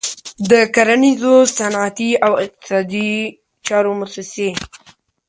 د کرنیزو، صنعتي او اقتصادي چارو موسسې.